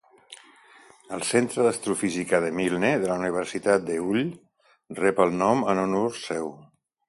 El Centre d'Astrofísica de Milne de la Universitat de Hull rep el nom en honor seu.